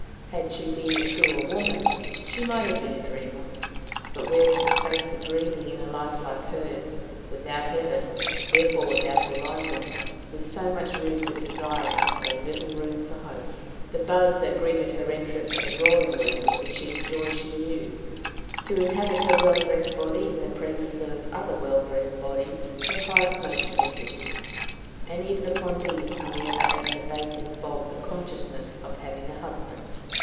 Had she been a truer woman, she might have been a dreamer, but where was the space for dreaming in a life like hers, without heaven, therefore without horizon, with so much room for desiring, and so little room for hope? The buz that greeted her entrance of a drawing room, was the chief joy she knew; to inhabit her well dressed body in the presence of other well dressed bodies, her highest notion of existence. And even upon these hung ever as an abating fog the consciousness of having a husband.